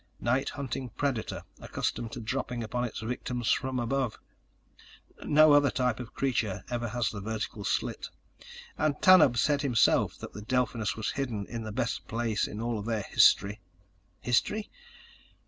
"Night hunting predator accustomed to dropping upon its victims from above. No other type of creature ever has had the vertical slit. And Tanub said himself that the Delphinus was hidden in the best place in all of their history. History?